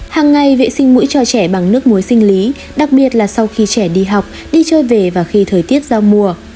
hàng ngày vệ sinh mũi cho trẻ bằng nước muối sinh lý đặc biệt là sau khi trẻ đi học đi chơi về và khi thời tiết giao mùa